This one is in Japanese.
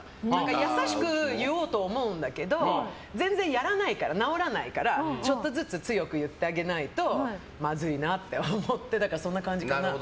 優しく言おうと思うんだけど全然やらないから、直らないからちょっとずつ強く言ってあげないとまずいなって思ってだからそんな感じかな。